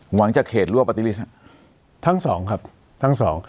หวังจะเขตรั่วปาร์ตี้ลิสต์ทั้งสองครับทั้งสอง